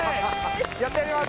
やってやります。